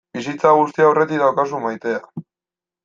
Bizitza guztia aurretik daukazu maitea.